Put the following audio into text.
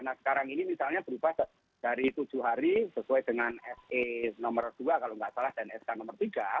nah sekarang ini misalnya berubah dari tujuh hari sesuai dengan se nomor dua kalau nggak salah dan sk nomor tiga